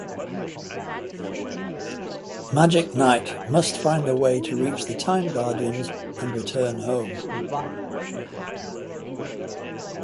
Magic Knight must find a way to reach the Tyme Guardians and return home.